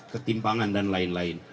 ketimpangan dan lain lain